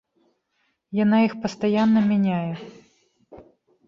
Яна іх пастаянна мяняе.